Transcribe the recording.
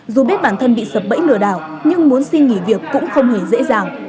dù biết bản thân bị sập bẫy lừa đảo nhưng muốn xin nghỉ việc cũng không hề dễ dàng